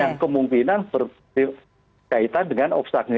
dan kemungkinan berkaitan dengan obsad